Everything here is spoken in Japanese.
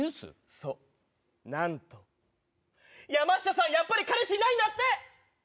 そう、なんと、山下さん、やっぱり彼氏いないんだって。